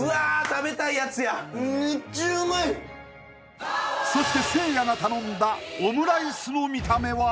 食べたいやつやめっちゃうまいそしてせいやが頼んだオムライスの見た目は？